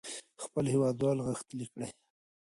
خپل هېوادوال غښتلي کړئ.